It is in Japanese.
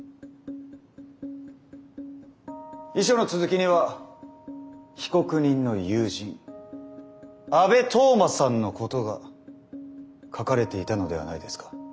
遺書の続きには被告人の友人阿部透真さんのことが書かれていたのではないですか？